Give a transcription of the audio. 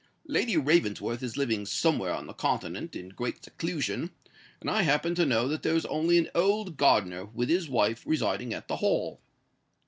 Lady Ravensworth is living somewhere on the continent, in great seclusion; and I happen to know that there is only an old gardener, with his wife, residing at the Hall."